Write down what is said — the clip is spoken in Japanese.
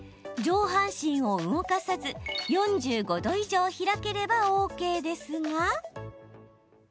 上半身を動かさず、４５度以上開ければＯＫですが。